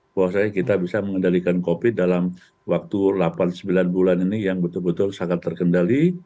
bahwasanya kita bisa mengendalikan covid dalam waktu delapan sembilan bulan ini yang betul betul sangat terkendali